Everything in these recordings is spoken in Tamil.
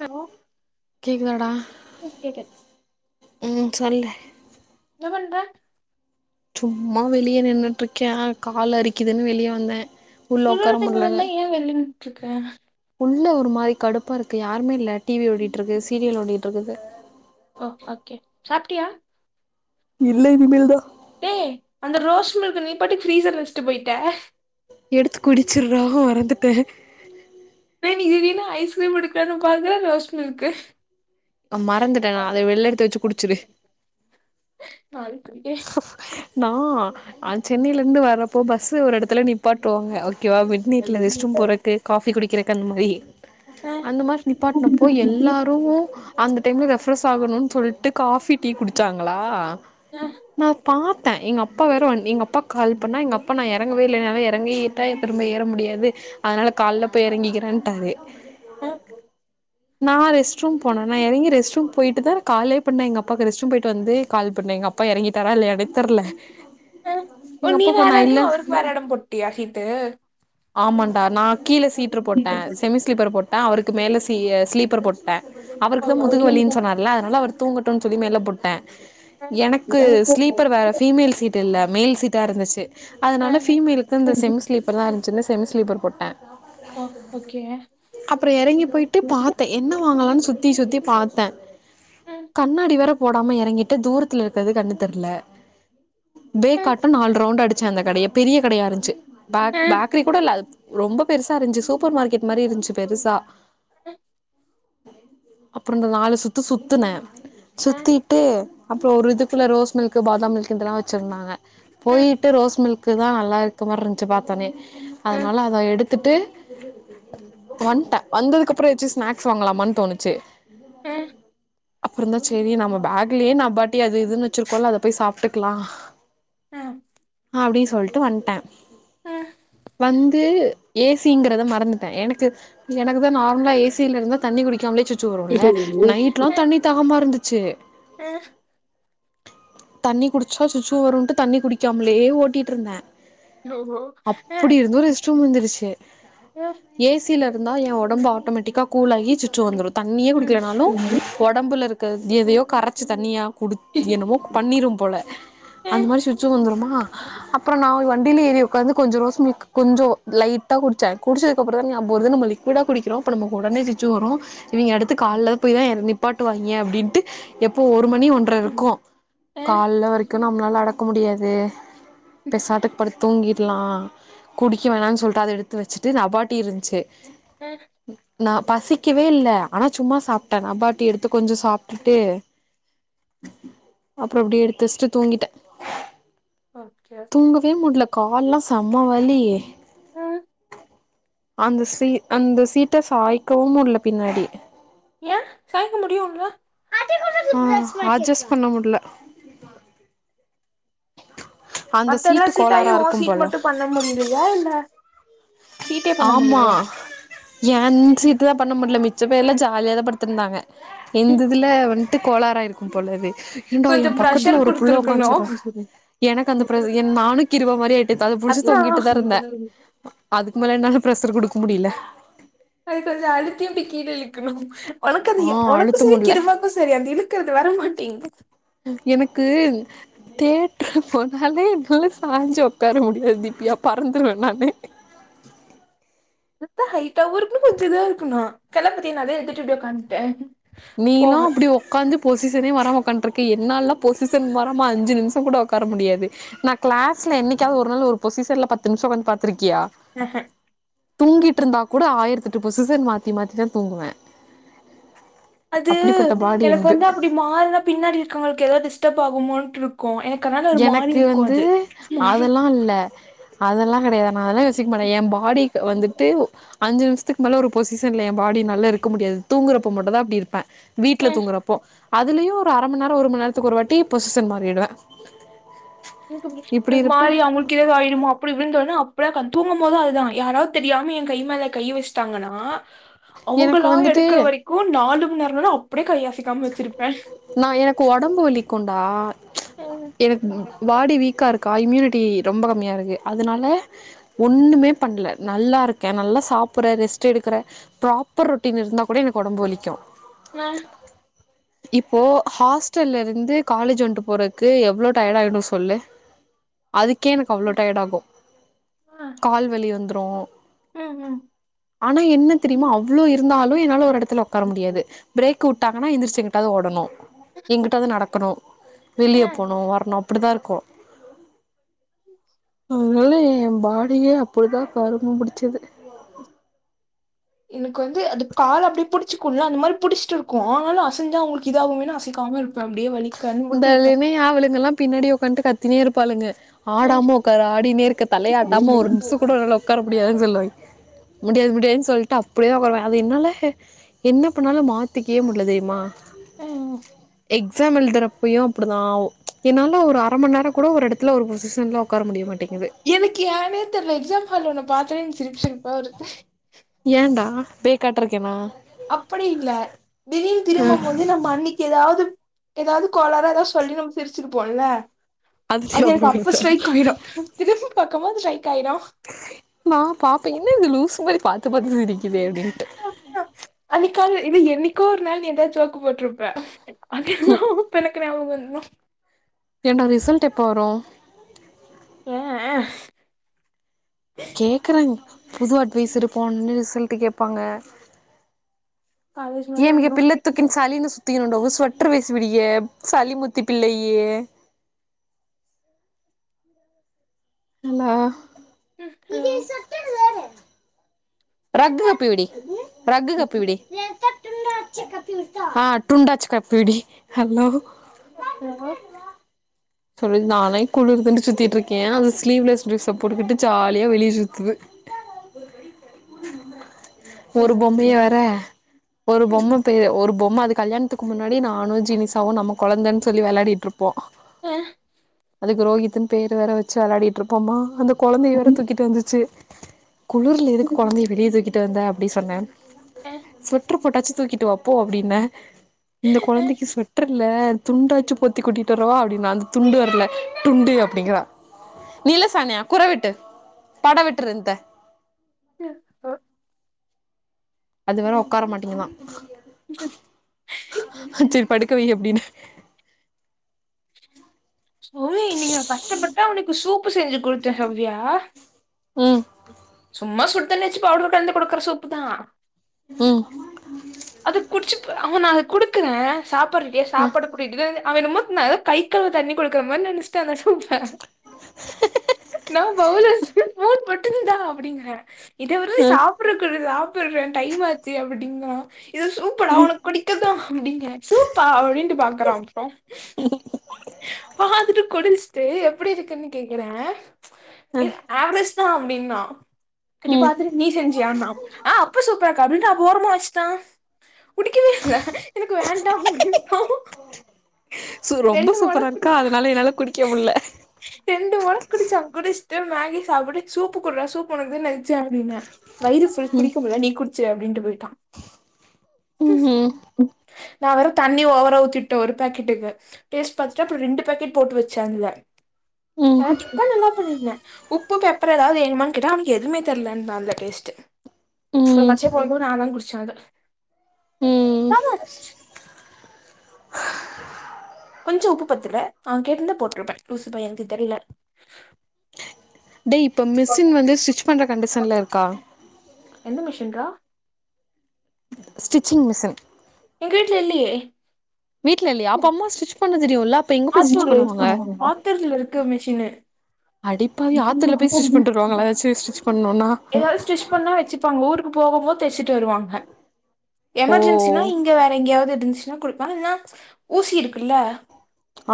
ஹலோ கேக்குதடா ம் கேக்குது ம் சொல்லு என்ன பண்ணற சும்மா வெளியே நின்னுட்டுருக்கே கால் அறிக்குதுன்னு வெளியே வந்தே உள்ள உக்கார முடியல எ வெளியேன் ட்டுருக்க உள்ள ஒரு மாரி கடுப்பா இருக்கு யாருமே இல்ல டி வி ஓடிட்டு இருக்கு சீரியல் ஓடிட்டு இருக்குது ஓ ஓகே சாப்பிட்டியா இல்ல இனிமேல்தா டே அந்த ரோஸ்ட் மில்க்க நீ பாட்டுக்கு ஃப்ரீசர்ல வச்சிட்டு போயிட்ட எடுத்து குடிச்சுறா மறந்துட்டே ஏ இன்னிக்கு திடீருனு ஐஸ்கிரீம் எடுக்கலான்னு பாக்கற ரோஸ் மில்கு அ மறந்துட்ட நா அத வெள்ள எடுத்து வச்ச குடிச்சுடு நா [unintelligible] ஸ்ப் நா அ சென்னையில இருந்து வர்றப்போ பஸு ஒரு இடத்துல நிப்பாட்டுவாங்க ஓகேவா நீீட்டில ரெஸ்ட் ரூம் போறக்கு காஃபி குடிக்கிறக்கு அந்த மாரி ஆ அந்த மாரி நிப்பாட்டினப்போ எல்லாரு அந்த டைமில ரெஃப்ரெஷ் ஆகணுன்னு சொல்லிட்டு காஃபி டீ குடிச்சாங்களா அ நா பாத்தே எங்க அப்பா வேற எங்க அப்பாக் கால் பண்ணா எங்க அப்பா நா எறங்கவே இல்ல இல்லன எறங்கி விட்டா திரும்ப ஏற முடியாது அதனால கால்ல போய் எறங்கிக்கிறன்ட்டாரு ஆ நா ரெஸ்ட் ரூம் போன நா எறங்கி ரெ்ட் ரூம் போயிட்டுதா காலே பண்ணே எங்கப்பாக்கு ரெ்ட்ஸ்ரூம் போயிட்டு வந்து கால் பண்ணேன் எங் அப்பா பா எறங்கிட்டாரா இல்லையானே தெர்ல அ ஓ எங்க நீ அப்பா வேற பண்ணா எடோ இல்ல அவருக்கு வேற எடோ போட்டியா சீட்டு ஆமான்டா நா கீழ சீட்ரு போட்டே செமி ஸ்லீப்பர் போட்டே அவருக்கு மேல சீ ஸ்லீப்பர் போட்டே ஓ, அவருக்கு தா முதுகு ஓகே. வலின் சொன்னார்ல அதனால அவர் தூங்கட்டுன் சொல்லி மேல போட்டே எனக்கு ஸ்லீப்பர் வேற ஆ ஃபிமேல் சீட் இல்ல மேல் சீட்டா இருந்துச்சு ஆ அதனால ஃபீமேலுக்கு இந்த செமி ஸ்லீப்பர் தா இருந்துச்சினு செமி ஸ்லீப்பர் போட்டே ஓ ஓகே அப்றோ எறங்கி போயிட்டு பாத் த்தே என்ன வாங்லான் சுத்தி சுத்தி பாத்தே ம் கண்ணாடி வேற போடாம எறங்கிட்டே தூரத்துல இருக்குறது கண்ணு தெரில பேக்காட்டோ நாலு ஏன் ரவுண்டு அடிச்சே அந்த கடைய பெரிய கடயா இருந்துச்சு பாக் பேக்ரி கூட இல்ல ரொம்ப பெருசா இருந்ச்சு சூப்பர் மார்க்கெட் மாரி இருந்ச்சு பெருசா [unintelligible] அப்றோ இந்த நாலு சுத்து சுத்துன சுத்திட்டு அப்றோ ஒரு இதுக்குள்ள ரோஸ் மில்க்கு பாதாம் மில்க்கு இதெல்லா வச்சுருந்தாங்க போயிட்டு ரோஸ் மில்க் கு தா நல்லா இருக்க மாரி இருஞ்ச்சு பாத்தொன்னே அதனால அத எடுத்துட்டு வன்ட்டே வந்ததுக்கப்றோ ஏன்ச்சு ஸ்நாக்ஸ் வாங்கலாமான் தோணுச்சு அப்பறந்தா சேரி நம்ம பேக்லியே நபாட்டி அது இதுன் வச்சிருக்கோல அத போய் சாப்ட்டுக்கலா ஆ அப்டி சொல்ட்டு வன்ட்டே வந்து ஏசிங்றத மறந்துட்டே எனக்கு எனக்கு தா நார்மலா ஏசில இருந்தா தண்ணி குடிக்காம்லே சுச்சு வருல்ல நைட்லா தண்ணி தாகமா இருந்துச்சு அ தண்ணி குடிச்சா சுச்சு வருன்ட்டு தண்ணி குடிக்காம்லே ஓட்டிட்ருந்தே [inaudible] அப்டி இருந்தோ ரெஸ்ட்ரூம் வந்துருச்சு ஏசில இந்தா ஏ ஒடம்பு ஆட்டோமேட்டிக்காக கூலாகி சுச்சு வந்துரு தண்ணியே குடிக்லனாலு ஒடம்புல இருக்க எதையோ கரைச்சி தண்ணியா குடுத் என்னுமோ பண்ணிரும் போல அந்த மாரி சுச்சு வந்துருமா அப்றோ நா வண்டில ஏரி ஒக்காந்து கொஞ்சோ ரோஸ்மில்க் கொஞ்சோ லைட்டா குடிச்சே குடிச்சதுக்கு அப்றந்தா ஞாபகோ வர்து நம்ம லிக்யூடா குடி க்றோ இப்ப நமக் ஒடனே சுச்சு வரு இவிங்க அடுத்து கால்ல போய் தா எற நிப்பாட்டு வாய்ங்க அப்டின்ட்டு எப்போ ஒரு மணி ஒன் ர இருக்கு கால்ல வரைக்கு நம்ளால அடக்க முடியாது பெசாட்டுக் படுத் தூங்கிர்லான் குடிக்க வேணான் சொல்ட்டு அத எடுத்து வச்சுட்டு நபாட்டி இருன்ச்சு ம் நா பசிக்கவே இல்ல ஆனா சும்மா சாப்ட்டே நபாட்டி எடுத்து கொஞ்சோ சாப்ட்டுட்டு [inaudible] அப்றோ அப்டி எடுத்து வச்ட்டு தூங்கிட்டே ஓகே தூங்கவே முட்ல கால்லா செம வலி ம் அந்த சீ அந்த சீட்ட சாய்க்கவு முல்ல பின்னாடி ஏ சாய்க்க முடியுல்ல ஆ அட்ஜஸ் பண்ண முடில அந்த மத்தெல்லா சீட்டு சீட் ஆயி கோளாரா ஓ இருக்கும் சீட் போல மட்டு பண்ண முடியலையா இல்ல சீட்டே பண்ண ஆமா முடியலையா ஏன் சீட்டுதா பண்ண முடியல மிச்ச பேர்லா ஜாலியாதா படுத்திருந்தாங்க இந்ததுல வண்ட்டு கோலாரா இருக்கும்போல அது ஏண்டா எ கொஞ்சோ பக்கத்துல ப்ரெஷர் ஒரு புள்ள குடுத்துருக்கணு உக்காச்னுற எனக்கு அந்த என் நானுக்கிருவா மாரி ஆய் நேத்து அத புடிச்சு தொங்கிட்டுதா இருந்தே அதா அதுக்கு மேல என்னால ப்ரஷர் குடுக்க முடியல அது கொஞ்ச அழுத்தி அப்டிகீழ இழுக்கணு உனக்கு அது ஆ உனக்கு அழுத்த சரி முடில கிருமாக்கு சரி அந்த இழுக்கறது வரமாட்டீங்து எனக்கு தேட்டரு போனாலே நல்ல சாஞ்சு உக்கார முடியாது திவ்யா பறந்துடுவே நானு எ ஹட்டாவவு இருக்குணு கொஞ்சதா இருக்கணு தளபதினாலே எடுத்துட்டு இப்டி உக்காந்துட்டே நீளா போக அப்டி ஒக் உக்காந்து பொசிஷனே வராம உக்காண்ட்ருக்க என்னால்லா பொசிஷன் வரமா அஞ்சுநிமிஷ கூட உக்கார முடியாது நா க்ளாஸ்ல என்னிக்காவது ஒரு நா ஒரு பொசிஷன்ல பத்து நிமிஷ உக்காந்து பாத்திருக்கியா ஆக தூங்கிட்ருந்தா கூட ஆயிரத்தெட்டு பொசிசன் மாத்தி மாத்திதா தூங்குவே அது அப்படிப்பட்ட பாடி எனக்கு என்து வந்து அப்டி மாற்னா பின்னாடி இருக்கவங்களுக்கு எதாவது டிஸ்டப் ஆகுமோன்ருக்கூ எனக் அதனா எனக்கு வந்து அதெலா இல்ல அதெல்லா கெடையாது நா அதெல்லா யோசிக்க மாட்டே ஏ பாடிக் வந்துட்டு அஞ்சு நிமிஷ்துக்கு மேல ஒரு பொசிஷன்ல ஏ பாடிநாலா இருக்க முடியாது தூங்குறப்ப மட்டுதா அப்டி இருப்ப வீட்ல ம் தூங்குறப் போ அதுலயு ஒரு அரை மண் நேரோ ஒரு மண் நேரத்துக்கு ஒரு வாட்டி பொசிஷன் மாறிடுவே [unintelligible] இப்டி எனக்கு இருப்பே மாரி அமுல் கி ஏதாவது ஆயிடுமோ அப்டி இப்டி தோணு அப்டியே தூங்கும் போது அதுதா யாராது தெரியாம எ கை மேல கை வச்சி ட்டாங்கன்னா எனக்கு அவங்களா வந்துட்டு எடுக்கிற வரைக்கு நாலு மந்நேர கூட அப்டியே கையசை நா எனக்கு ஒடம்பு வலிக்கொண்டா எனக்கு பாடி வீக்கா இருக்கு கா இம்யூனிட்டி ரொம்ப கம்மியா இருக்குது அதனால ஒண்ணுமே பண்ணல நல்லாருக்கே நல்லா சாப்புட்றே ரெஸ்ட் எடுக்கிறே ப்ராப்பர் ரொட்டீன் இருந்தா கூட எனக்கு ஒடம்பு வலிக்கு ஆ இப்போ ஹாஸ்டல்ல இருந்து காலேஜ் வண்ட்டு போறதுக்கு எவ்ளோ டயர்ட் ஆயிடு சொல்லு [inaudible] அதுக்கே எனக்கு அவ்வளோ டயர்ட் ஆகு எனக்கு கால்வலி வந்துரு ஆனா என்ன தெரியுமா அவ்வளோ இருந்தா அப்பயு என்னால ஒரு எடத்துல உக்கார முடியாது ப்ரேக் உட்டா ஆனா எந்திரிச்சி எங்கிட்டாவது ஓடணு எங்கிட்டாது நடக்கணு வெளிய போணு வரணு அப்படி தா இருக்கூ அதனால ஏ பாடியே அப்படிதா கரும பிடிச்சது எனக்கு வந்து அது கால் அப்படி புடிச்சக்குல்ல அந்த மாரி புடிச்சிட்டு இருக்கு ஆனு அசஞ்சா அவங்களுக்கு இதாகுமேன்னு அசைக்காம இருக்கு அப்படியே வலி இந்த லினயா அவளுகல்லா பின்னாடி உக்காண்ட்டு கத்தினே இருப்பாளுங்க ஆடாம உக்காரு ஆடினே இருக்க தலைய ஆட்டாம ஒரு நிமிஷ கூட உன்னால உக்கார முடியாதுன் சொல்லுவா முடியாது முடியாதுன் சொல்ட்டு அப்டியோ வருவே அது என்னால என்ன பண்ணாலு மாத்திக்கே முடியல தெரியுமா [unintelligible] எக்ஸாம் எழுதுறப் ய்யு அப்டிதா ஆவு என்னால ஒரு அர மண் நேரோ கூட ஒரு எடத்துல ஒரு பொசிஷன்ல உக்கார முடிய மாட்டங்குது எனக்கு ஏனே தெர்ல எக்ஸாம் ஹால்ல ஒன்ன பாத்தோன எனக் சிரிப்பு சிரிப்பா வருது ஏன்டா பேக்காட்டருக்கேனா அப்டி இல்ல திடீன் திரும்ப போது நம்ம அன்னக் ஏதாவ்து ஏதாவ்து கோளாரா ஏதா சொல்லி நம்ம சிரிச்சுருப்போல அது ஞாபகோ எனக்கு அப்ப வருதா ஸ்ட்ரைக் ஆயிடு திரும்பி பாக்கபோது ஸ்ட்ரைக் ஆயிரு நா பாப்பே என்ன இது லூசு மாரி பாத்து பாத்து சிரிக்குதே அப்டின்ட்டு அன்னைக்காவ்து இது என்னைக்கோ ஒர் நாள் நீ எதா ஜோக் கு போட்டிருப்பே அதுயெல்லா அப்ப எனக்கு ஞாபகோ வந்துரு என்டா ரிசல்ட் எப்போ வரு ஏ கேக்குறங் புது அட்வைஸரு [unintelligible] ரிசல்ட் கேட்பாங்க காலேஜ் முன்னாடி நீ [unintelligible] வந்துரும் பிள்ள தூக்கின் சளின்னு சுத் திமுண்டம் ஸ்வெட்டரு வீசி விடுயே சலிமுத்தி பிள்ளயே அல்லா ம் [unintelligible] ரகு கப்பிவிடி ரகு கப்பிவிடி ஹ் ூண்டாச்சக்க பீடி ஹலோ ஹலோ சொல்லுது நானே குளிருதுன்னு சுத்திட்டு இருக்கே அது ஸ்லீவ்லெஸ் ட்ரெஸ்ஸை போட்டுக்கட்டு ஜாலியா வெளிய சுத்துது [inaudible] [inaudible] ஒரு பொம்மையே வேர ஒரு பொம்ம இப்ப இல்ல ஒரு பொம்ம அது கல்யாணத்துக்கு முன்னாடி நானு ஜினிசாவு நம்ம கொழந்தைன்னு சொல்லி விளாடிட்டு இருப்போ [unintelligible] அதுக்கு ரோஹித்னு பேரு வேற வச்சு வெளாடிட்டு இருப்போமா அந்த கொழந்தைய வேற தூக்கிட்டு வந்துச்சு குளுருல எதுக்கு கொழந்தய வெளிய தூக்கிட்டு வந்த அப்டி சொன்ன சொட்ரு போட்டாச்சு தூக்கிட்டு வா போ அப்டின்ன இந்த கொழந்தைக்கு ஸ்வெட்டர் இல்ல துண்டாச்சு பொத்தி கூட்டிட்டுரவா அப்டின்னா அந் துண்டு வர்ல துண்டூ அப்டிங்கிறா [unintelligible] ல்ல ஓ அது வேற உக்கார மாட்டீங்கதா ம் சேரி படுக்கவை அப்டின்னு சோவி இன்னைக்கி நா கஷ்டப்பட்டா அவ்னுக்கு சூப்பு செஞ்சு குடுத்தே [unintelligible] ம் சும்மா சுடு தண்ணி வச்சு பவுடர் கலந்து குடுக்குற சூப்பு தா ம் அது குடிச்சுட் அவனா அத குடுக்குறே சாப்பாடு ரெடியா அ சாப்பாடு குடு [unintelligible] அவ என்னமோ நல்ல கை கழுவு தண்ணி குடுக்கற மாரி நெனச்டா அந்த சூப்ப நா பவுல வச்சிட்டு ஸ்பூன் போட்டு இந்த அப்டிங்கற இத [unintelligible] அ சாப்டுறே டைம் ஆச்சு அப்டின்ங்கற இது சூப்புடா உனக் குடிக்கதா அப்டிங்க சூப்பா அப்டின்ட்டு பாக்கறா அப்றோ பாத்துட்டு குடிச்ட்டு எப்பிடி இருக்குன்னு கேக்குறே ஆவ்ரெஜ் தா அப்டின்னா இப்டி ம் பாத்துட்டு நீ செஞ்சியானா ஆ அப்ப சூப்பர்க்கா அப்டின்ட்டு அப் ஓரமா வச்சுட்டா குடிக்கவே இல்ல எனக்கு வேண்டா அப்டின்ட்டா சு ரொம்ப ரெண்டு மொற சூப்பரா இருக்கா குடிச்சா அதனால என்னால குடிக்க முடில ரெண்டு மொற குடிச்சா குடிச்ட்டு மேகி சாப்பிடு சூப்பு குட்றா சூப்பு உனக்கு தா வைச்சே அப்டின்னே வயிறு ஃபுல் ம் குடிக்க முல்ல நீ குடிச்சிரு அப்டின்ட்டு போய்ட்டா ம் நா வேற தண்ணி ஓவரா ஊத்தி உட்டே ஒரு பேக்கெட்டுக்கு டேஸ்ட் பாத்துட்டு அப்ரோ ரெண்டு பேக்கெட் போட்டு வச்சே அதுல ம் நா இத்தா நல்லா பண்ணியிருந்த உப்பு பெப்பர் ஏதாவது வேணுமான்னு கேட்டா அவனுக்கு எதுமே தெர்லன்னா அந்த டேஸ்ட்டு அப்றோ ம் பச்சை போய்தும் நாதா குடிச்சே அத ம் நல்லாதா இருந்துச்சு கொஞ்சோ உப்பு பத்துல அவன் கேட்டுருந்தா போட்ருப்பே லூசு பையனுக்கு தெரில டேய் இப்ப மிஷின் வந்து ஸ்டிச் பண்ற கண்டிஷன்ல இருக்கா எந்த மிஷின் ரா ஸ்டிச்சிங் மிஷின் எங்க வீட்ல இல்லயே வீட்ல இல்லயா அப்ப அம்மா ஸ்டிச் பண்ண தெரியுல்ல அப்ப எங்க போயி ஸ்டிச் ஆத்தூரு பண்ணுவாங்க ஆத்தூர்ல இருக்கு மிஷினு அடிப்பாவி ஆத்துல போயி ஸ்டிச் பண்ட்டுவருவாங்களா ஏதாச்சும் ஸ்டிச் பண்ணுன்னா ஏதாது ஸ்டிச் பண்ணா வச்சிப்பாங்க ஊருக்கு போகும் போது தெச்சுட்டு வருவாங்க ஓ எமர்ஜென்சின்னா இங்க வேற எங்கயாவது இருந்துச்சுன்னா குடுப்பாங்க இல்னா ஊசி இருக்குல்ல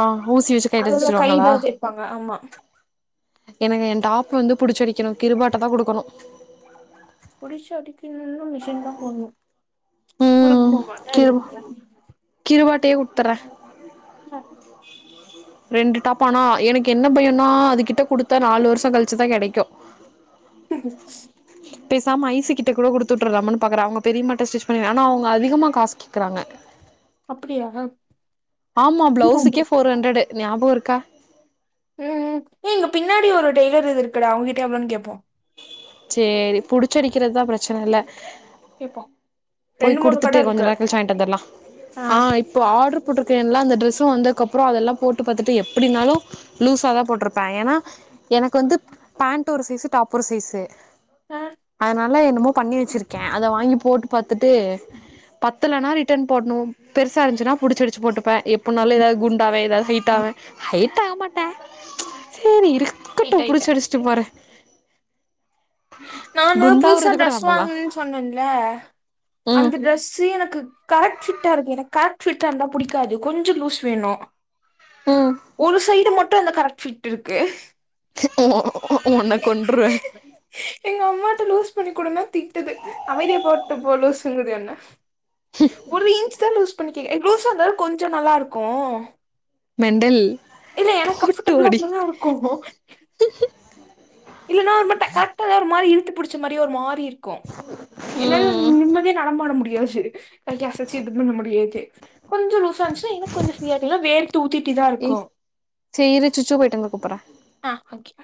ஆ ஊசி வச்சு கைல தெச்சிருவாங்களா ப்பாங்க ஆமா எனக்கு என் டாப் வந்து பிடிச்சடிக்கணு கிருபாட்ட தா குடுக்கணு புடிச்சு அடிக்கணுன்னா மிஷின் தா போட்ணும் குறும்ப வா கியூ கிருபாட்டயே குடுத்தற்ரே மா ரெண்டு டாப் ஆனா எனக்கு என்ன பயோன்னா அது கிட்ட குடுத்தா நாலு வருஷ கழிச்சுதா கெடைக்கு [unintelligible] பேசாம ஐசு கிட்ட கூட குடுத்துட்ரலாமான்னு பாக்குறே அவுங்க பெரியமாட்ட ஸ்டிச் பண்ணி ஆனா அவுங்க அதிகமா காஸ் கேக்குறாங்க அப்புடியா ஆமா பிளவுஸ்சுக்கே ஃபோர் ஹண்ட்ரடு ஞாபகம் இருக்கா ம் ம் ஏய் இங்க பின்னாடி ஒரு டைலர் வீடு இருக்குடா அவுங்ககிட்ட எவ்ளோன்னு கேப்போ சேரி புடிச்சு அடிக்கிறது தா பிரச்சனை இல்ல கேப்போ போய் ரெண்டு மூணு குடுத்துட்டு கட கொஞ்ச இருக்கு நேர கழிச்சி வாங்கிட்டு வந்தர்லா ஆ இப்போ ஆட்ரு போட்டிருக்கல்ல அந்த ட்ரெஸ்சு வந்தக்கப்பறோ அதெல்லா போட்டு பாத்துட்டு எப்புடினாலும் லூஸாதா போட்ருப்பா ஏன்னா எனக்கு வந்து பேண்ட் ஒரு சைஸ்சு டாப் ஒரு சைஸ்சு ஆ அதனால என்னமோ பண்ணி வச்சிருக்கே அத வாங்கி போட்டு பாத்துட்டு பத்தலன்னா ரிட்டன் போட்ணும் பெருசா இருந்துச்சுனா பிடிச்சு அடிச்சு போட்டுப்பே எப் னாலும் ஏதாவது குண்டாவே ஏதாவது ஹைட்டாவே ஹைட் ஆக மாட்ட சேரி இருக் ரைட் க்கட்டும் புடிச்சு ரைட்டு அடிசிட்டு போறே நானும் புதுசா குண்டாவுறது கூட ட்ரெஸ் நம்பலா வாங்னன்னு சொன்னல்ல ம் அந்த ட்ரெஸ்சு எனக்கு கரக்ட் ஃபிட்டா இருக்கு எனக்கு கரக்ட் ஃபிட்டா இருந்தா புடிக்காது கொஞ்சோ லூஸ் வேணும் ம் ஒரு சைடு மட்டு அந்த கரெக்ட் ஃபிட் இருக்கு ஒ ஒன்ன கொண்ருவே எங்க அம்மாட்ட லூஸ் பண்ணிக்குடுனா திட்டுது அமைதியா போட்டுப்போ லூசுங்குது என்ன ஒரு இன்ச் தா லூஸ் பண்ணி கேக்குறே லூசா இருந்தா தான கொஞ்சோ நல்லா இருக்கு மெண்டல் இல்ல எனக்கு போட்டு கம்ஃபட்டபுளா வாடி அப்படிதா இருக்கு இல்லன்னா ஒரு மாரி டை கரெக்டான் ஒரு மாரி இழுத்து புடிச்ச மாரியே ஒரு மாரி இருக்கு என்ன ம் நிம்மதியா நடமாட முடியாது அது கேஸ் வச்சு இது பண்ண முடியாது கொஞ்சோ லூசா இருந்ச்சுனா இன்னு கொஞ்ச ஃபீரியா இல்னா வேர்க் தூக்கிட்டு இதார் ஏய் செரி இரு சுச்சு போய்டு வந்து கூப்படறே ஆ ஓகே